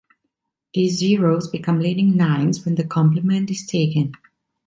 These zeros become leading nines when the complement is taken.